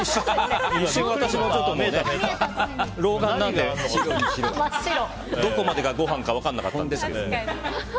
一瞬、私も老眼なのでどこまでがご飯か分からなかったんですけど。